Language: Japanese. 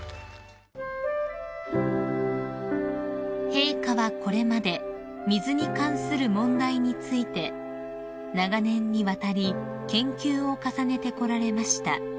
［陛下はこれまで水に関する問題について長年にわたり研究を重ねてこられました］